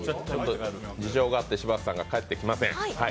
事情があって柴田さんが帰ってきません。